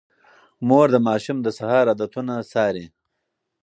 مور د ماشوم د سهار عادتونه څاري.